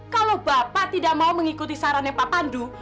kalau bapak tidak mau mengikuti sarannya pak pandu